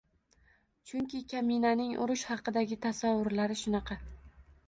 Chunki kaminaning urush haqidagi tasavvurlari shunaqa.